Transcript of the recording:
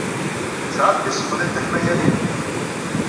Tesɛam tisefḍin tiḥmayanin?